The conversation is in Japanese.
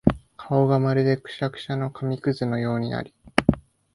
顔がまるでくしゃくしゃの紙屑のようになり、